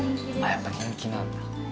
やっぱ人気なんだ。